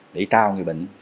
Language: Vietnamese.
để trao người bệnh